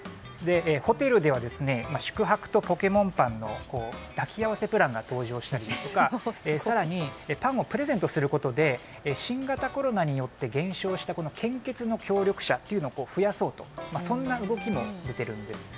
ホテルでは宿泊とポケモンパンの抱き合わせプランが登場したりですとか更にパンをプレゼントすることで新型コロナにより減少した献血の協力者を増やそうと、そんな動きも出ているんです。